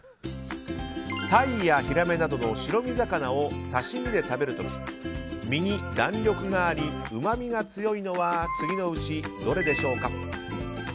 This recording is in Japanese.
タイやヒラメなどの白身魚を刺し身で食べる時身に弾力がありうまみが強いのは次のうちどれでしょうか。